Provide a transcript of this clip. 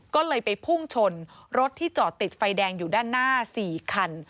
ก็เลยไปพุ่งชนรถที่จอดติดไฟแดงอยู่ด้านหน้า๔คัน